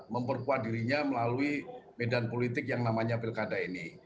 memperkuat dirinya melalui medan politik yang namanya pilkada ini